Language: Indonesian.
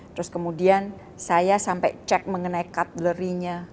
terus kemudian saya sampai cek mengenai catlery nya